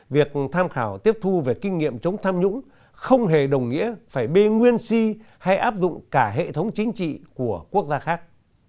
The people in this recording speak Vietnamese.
việc tham khảo tiếp thu về kinh nghiệm chống tham nhũng không hề đồng nghĩa phải bê nguyên si hay áp dụng cả hệ thống chính trị của quốc gia khác